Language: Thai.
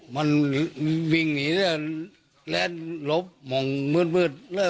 มันหวิ่งหนีและรบเหมือนมืดแบบนี้